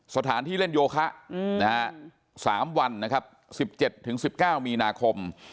สถานที่เล่นโยคะ๓วันนะครับ๑๗๑๙มีนาคม